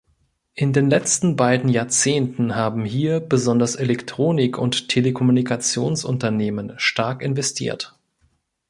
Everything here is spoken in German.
In den letzten beiden Jahrzehnten haben hier besonders Elektronik- und Telekommunikationsunternehmen stark investiert.